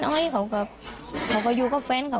โดยว่าเราจะอยู่ที่ฟ้าน่ะ